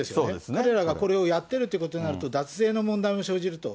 彼らがこれをやってるということになると、脱税の問題も生じると。